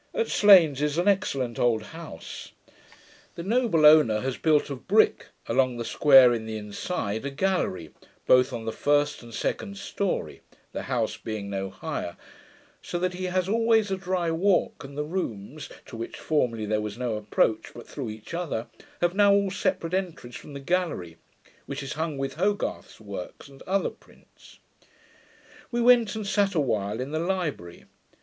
At Slains is an excellent old house. The noble owner has built of brick, along the square in the inside, a gallery, both on the first and second story, the house being no higher; so that he has always a dry walk, and the rooms, to which formerly there was no approach but through each other, have now all separate entries from the gallery, which is hung with Hogarth's works, and other prints. We went and sat a while in the library.